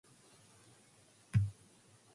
The cards and rules were illustrated by John Kovalic.